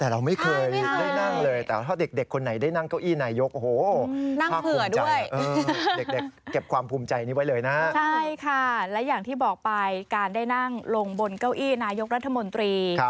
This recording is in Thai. และอย่างที่บอกไปการได้นั่งบนเก้าอี้นายกรรธมนตรี